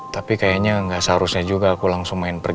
tapi kayaknya gak seharusnya juga aku langsung main perang